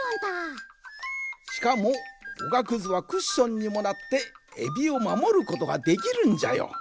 しかもおがくずはクッションにもなってエビをまもることができるんじゃよ。